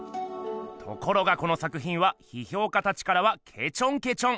ところがこの作ひんはひひょうかたちからはけちょんけちょん。